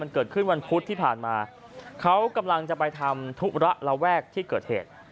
เกิดขึ้นวันพุธที่ผ่านมาเขากำลังจะไปทำธุระระแวกที่เกิดเหตุ